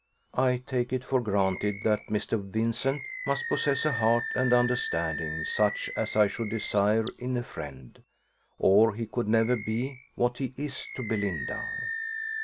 I take it for granted that Mr. Vincent must possess a heart and understanding such as I should desire in a friend, or he could never be what he is to Belinda."